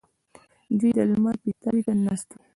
دوی د لمر پیتاوي ته ناست وي.